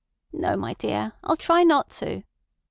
"No, my dear. I'll try not to."